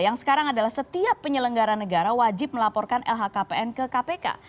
yang sekarang adalah setiap penyelenggara negara wajib melaporkan lhkpn ke kpk